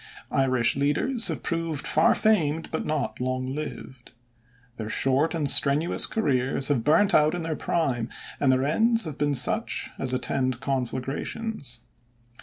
Irish leaders have proved far famed but not long lived. Their short and strenuous careers have burnt out in their prime, and their ends have been such as attend conflagrations.